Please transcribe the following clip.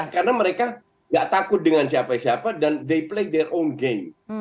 karena mereka tidak takut dengan siapa siapa dan mereka bermain permainan sendiri